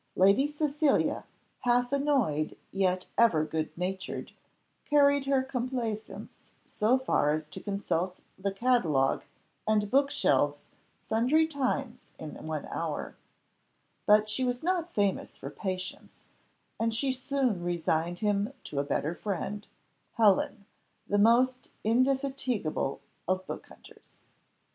Lady Cecilia, half annoyed yet ever good natured, carried her complaisance so far as to consult the catalogue and book shelves sundry times in one hour; but she was not famous for patience, and she soon resigned him to a better friend Helen, the most indefatigable of book hunters.